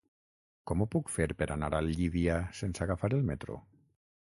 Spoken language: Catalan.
Com ho puc fer per anar a Llívia sense agafar el metro?